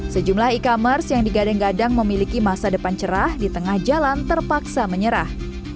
sejumlah e commerce yang digadang gadang memiliki masa depan cerah di tengah jalan terpaksa menyerah